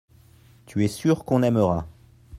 tu es sûr qu'on aimera.